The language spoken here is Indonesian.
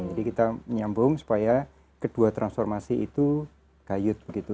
jadi kita menyambung supaya kedua transformasi itu kayut begitu